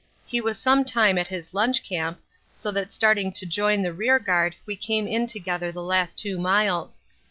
He was some time at his lunch camp, so that starting to join the rearguard we came in together the last 2 miles.